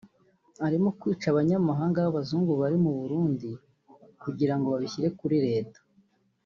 arimo kwica abanyamahanga b’abazungu bari mu Burundi kugirango babishyire kuri Leta